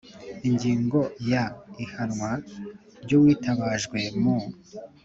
Ingingo ya Ihanwa ry uwitabajwe mu